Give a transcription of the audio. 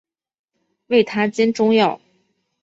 为她煎中药